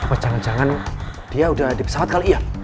oh jangan jangan dia udah di pesawat kali iya